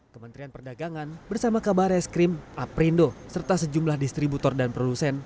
kementerian perdagangan bersama kabar reskrim aprindo serta sejumlah distributor dan produsen